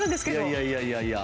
いやいやいやいや。